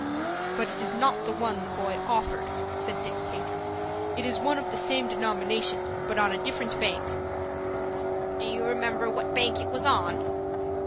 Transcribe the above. "But it is not the one the boy offered," said Dick's patron. "It is one of the same denomination, but on a different bank." "Do you remember what bank it was on?"